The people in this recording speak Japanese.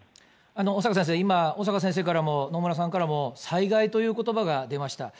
小坂先生、今、小坂先生からも野村さんからも災害ということばが出ました。